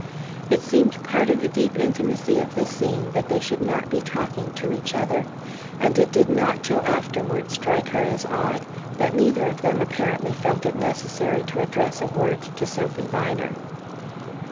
It seemed part of the deep intimacy of the scene that they should not be talking to each other, and it did not till afterward strike her as odd that neither of them apparently felt it necessary to address a word to Sophy Viner.